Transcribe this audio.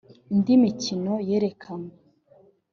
Indi mikino yerekanywe